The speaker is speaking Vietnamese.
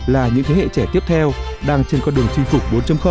là những thế hệ trẻ tiếp theo đang trên con đường chinh phục bốn